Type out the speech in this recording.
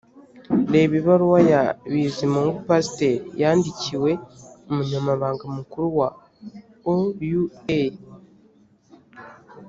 reba ibaruwa ya bizimungu pasiteri yandikiwe umunyamabanga mukuru wa oua